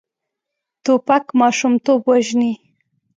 توپک ماشومتوب وژني.